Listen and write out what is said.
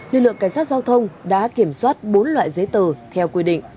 lực lượng cảnh sát giao thông đã kiểm soát bốn loại giấy tờ theo quy định